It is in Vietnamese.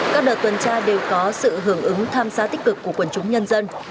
các đợt tuần tra đều có sự hưởng ứng tham gia tích cực của quần chúng nhân dân